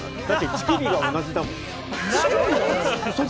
乳首が同じだもん。